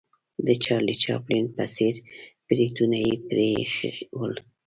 د چارلي چاپلین په څېر بریتونه یې پرې ایښې ول.